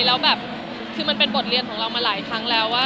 แล้วแบบคือมันเป็นบทเรียนของเรามาหลายครั้งแล้วว่า